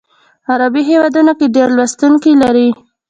عربي هیوادونو کې ډیر لوستونکي لري.